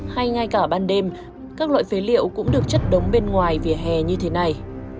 hay ngay cả ban đêm các loại phế liệu cũng được chất đống bên ngoài vỉa hè như thế này